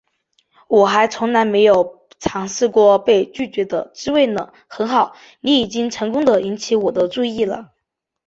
我还从来没有尝试过被拒绝的滋味呢，很好，你已经成功地引起我的注意了